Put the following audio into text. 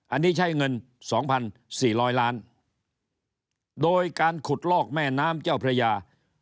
อันนี้ใช้เงิน๒๔๐๐ล้านโดยการขุดลอกแม่น้ำเจ้าพระยา